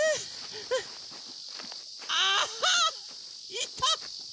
いた！